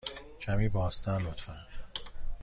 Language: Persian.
کمی بازتر، لطفاً.